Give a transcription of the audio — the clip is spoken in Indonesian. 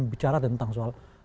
bicara tentang sholat